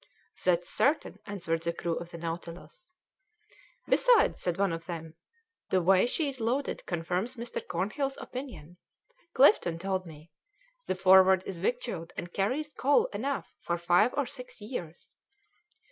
"That's certain," answered the crew of the Nautilus. "Besides," said one of them, "the way she's loaded confirms Mr. Cornhill's opinion. Clifton told me. The Forward is victualled and carries coal enough for five or six years.